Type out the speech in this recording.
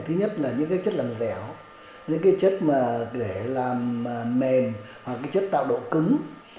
thứ nhất là những chất làm dẻo những chất để làm mềm hoặc chất tạo độ cứng